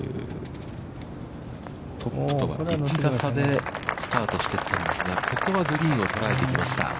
トップとは１打差でスタートしていったんですが、ここはグリーンを捉えてきました。